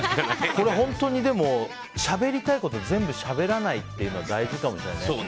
これ本当にでもしゃべりたいことを全部しゃべらないことは大事かもしれないね。